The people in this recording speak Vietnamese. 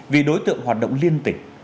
vì đối tượng hoạt động liên tỉnh